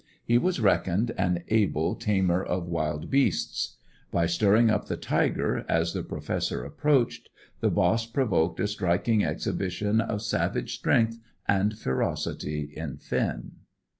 He was reckoned an able tamer of wild beasts. By stirring up the tiger, as the Professor approached, the boss provoked a striking exhibition of savage strength and ferocity in Finn.